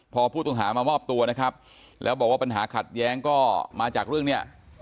พอผู้ต้องหามามอบตัวนะครับแล้วบอกว่าปัญหาขัดแย้งก็มาจากเรื่องเนี่ย